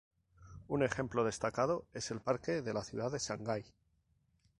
Un ejemplo destacado es el parque de la ciudad de Shanghái.